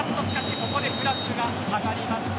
ここでフラッグが上がりました。